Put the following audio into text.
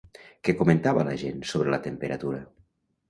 Què comentava la gent sobre la temperatura?